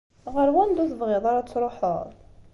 Ɣer wanda ur tebɣiḍ ara ad tṛuḥeḍ?